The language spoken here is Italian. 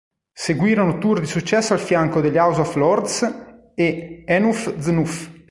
Seguirono tour di successo al fianco degli House of Lords e Enuff Z'Nuff.